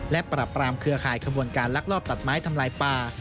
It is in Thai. และปรับปรามเครือข่ายขบวนการลักลอบตัดไม้ทำลายป่า